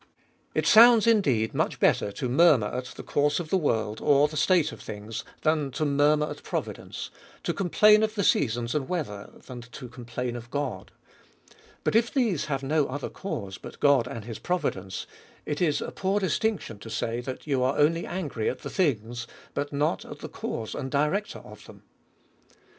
It sounds indeed much better to murmur at the course of the world, or the state of things, than to murmur at providence ; to complain of the seasons and weather, than to complain of God ; but, if these have no other cause but God and his providence, it is a poor dis tinction to say, that you are only angry at the things, but not at the cause and director of them.